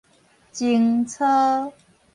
貞操